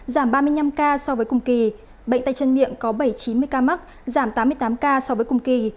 giảm ba mươi năm ca so với cùng kỳ bệnh tay chân miệng có bảy trăm chín mươi ca mắc giảm tám mươi tám ca so với cùng kỳ